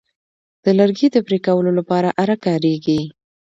د لرګي د پرې کولو لپاره آره کاریږي.